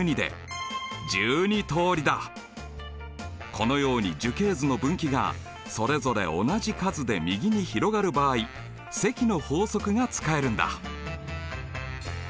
このように樹形図の分岐がそれぞれ同じ数で右に広がる場合積の法則が使えるんだ。